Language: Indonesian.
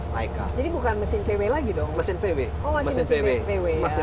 naikkan jadi bukan mesin vw lagi dong